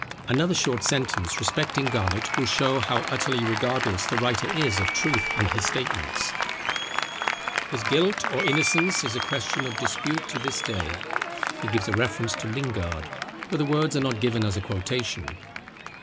Another short sentence respecting Garnet, will show how utterly regardless the writer is of truth in his statements: "His guilt or innocence is a question of dispute to this day." He gives a reference to Lingard; but the words are not given as a quotation.